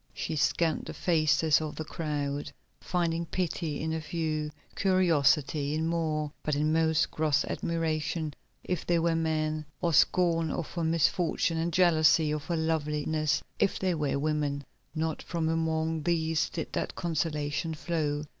She scanned the faces of the crowd, finding pity in a few, curiosity in more, but in most gross admiration if they were men, or scorn of her misfortune and jealousy of her loveliness if they were women. Not from among these did that consolation flow.